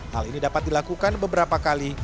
hal ini dapat dilakukan beberapa kali